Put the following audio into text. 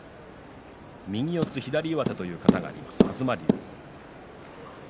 右四つ左上手という型があります